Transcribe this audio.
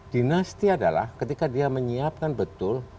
dinasti adalah ketika dia menyiapkan betul